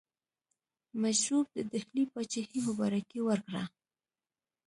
مجذوب د ډهلي پاچهي مبارکي ورکړه.